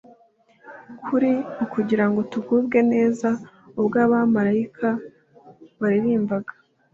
kwari ukugira ngo tugubwe neza. Ubwo abamaraika baririmbaga